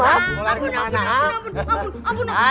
abun abun abun